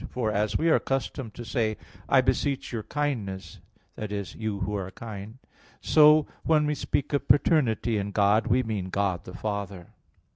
For as we are accustomed to say, "I beseech your kindness" i.e. you who are kind so when we speak of paternity in God, we mean God the Father.